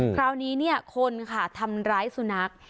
คราวนี้เนี่ยคนค่ะทำร้ายสุนัข